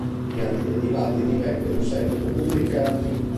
Gli atti dei dibattiti vengono in seguito pubblicati.